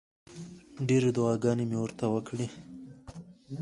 ډېرې دعاګانې مې ورته وکړې.